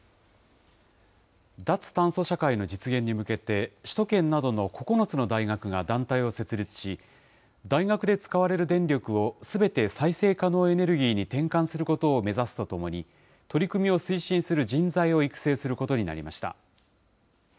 脱炭素社会の実現に向けて、首都圏などの９つの大学が団体を設立し、大学で使われる電力をすべて再生可能エネルギーに転換することを目指すとともに、取り組みを推進する人材を育成することになりました。